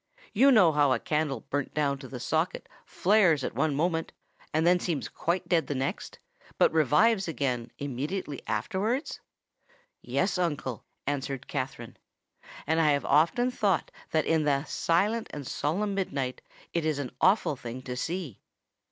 You know how a candle burnt down to the socket flares at one moment, and then seems quite dead the next, but revives again immediately afterwards?" "Yes, uncle," answered Katherine; "and I have often thought that in the silent and solemn midnight it is an awful thing to see."